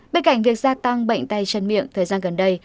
bên cạnh việc gia tăng bệnh tay chân miệng thời gian gần đây